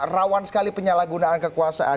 rawan sekali penyalahgunaan kekuasaan